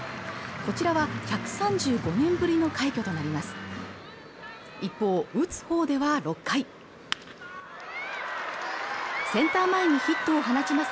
こちらは１３５年ぶりの快挙となります